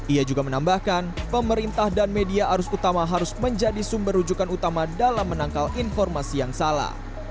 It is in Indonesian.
ia juga menambahkan pemerintah dan media arus utama harus menjadi sumber rujukan utama dalam menangkal informasi yang salah